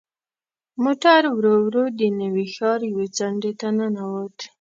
موټر ورو ورو د نوي ښار یوې څنډې ته ننوت.